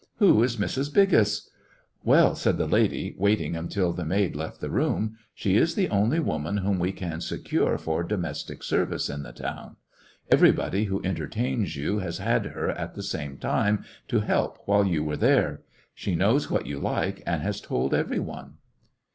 "Who is Mrs. Biggust" "Well," said the lady, waiting until the maid left the room, "she is the only woman whom we can secure for domestic service in the town. Everybody who entertains you has had her at the same time, to help while you were there. She knows what you like and has told every one."